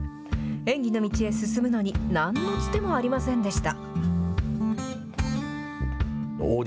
演技の道へ進むのに、なんのつてもありませんでした。